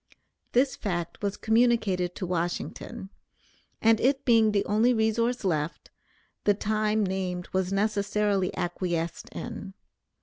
This fact was communicated to Washington, and it being the only resource left, the time named was necessarily acquiesced in.